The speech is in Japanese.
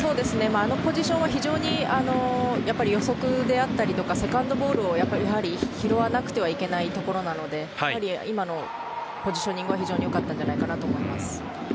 あのポジションは非常に予測であったり、セカンドボールを拾わなくてはいけないところなので、今のポジショニングは非常によかったのではないかと思います。